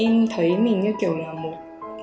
em thấy mình như kiểu là một